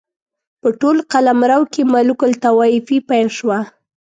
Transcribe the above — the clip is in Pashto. په ټول قلمرو کې ملوک الطوایفي پیل شوه.